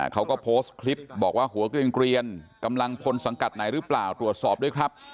เขาก็โพสต์คลิปบอกว่าหัวเกลียนกำลังพลสังกัดไหนหรือเปล่าตรวจสอบด้วยครับ